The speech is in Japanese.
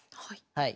はい。